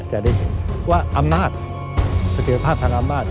จะได้เห็นว่าอำนาจ